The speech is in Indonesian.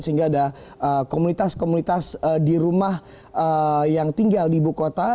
sehingga ada komunitas komunitas di rumah yang tinggal di ibu kota